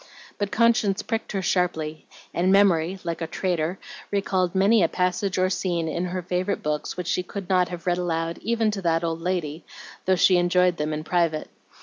But conscience pricked her sharply, and memory, like a traitor, recalled many a passage or scene in her favorite books which she could not have read aloud even to that old lady, though she enjoyed them in private.